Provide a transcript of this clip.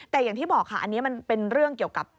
แต่อย่างที่บอกค่ะอันนี้มันเป็นเรื่องเกี่ยวกับ